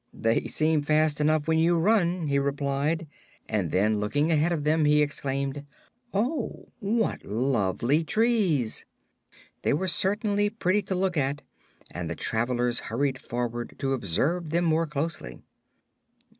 "They seem fast enough when you run," he replied; and then, looking ahead of them, he exclaimed: "Oh, what lovely trees!" They were certainly pretty to look upon and the travelers hurried forward to observe them more closely.